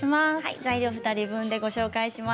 材料２人分でご紹介します。